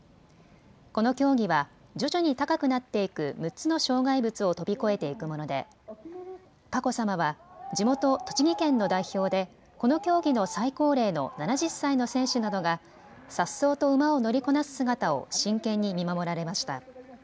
この競技は徐々に高くなっていく６つの障害物を飛び越えていくもので佳子さまは地元、栃木県の代表でこの競技の最高齢の７０歳の選手などがさっそうと馬を乗りこなす姿を真剣に見守られました。